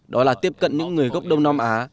đó là tiếp cận những người gốc đông nam á